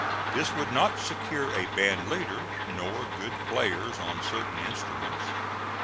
This would not secure a band leader, nor good players on certain instruments.